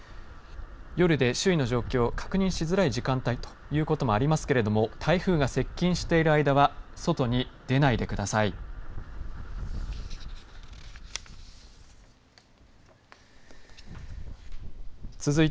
夜で周囲の状況確認しづらいということもありますけれども台風が接近している間は外に出ないでください。